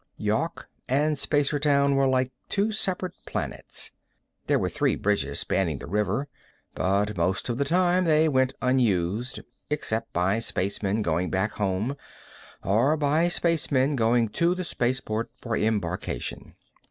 Yawk and Spacertown were like two separate planets. There were three bridges spanning the river, but most of the time they went unused, except by spacemen going back home or by spacemen going to the spaceport for embarkation.